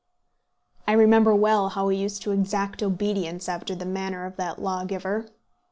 I remember well how he used to exact obedience after the manner of that lawgiver.